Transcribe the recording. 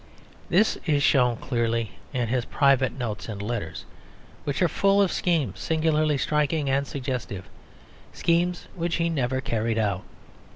This is shown clearly in his private notes and letters, which are full of schemes singularly striking and suggestive, schemes which he never carried out.